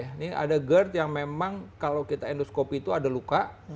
ini ada gerd yang memang kalau kita endoskopi itu ada luka